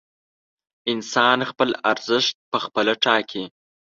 انسان خپل ارزښت پخپله ټاکي.